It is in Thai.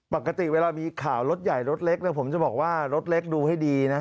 ปกติเวลามีข่าวรถใหญ่รถเล็กผมจะบอกว่ารถเล็กดูให้ดีนะ